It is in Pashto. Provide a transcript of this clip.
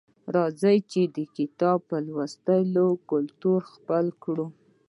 راځئ چې د کتاب لوستلو کلتور خپل کړو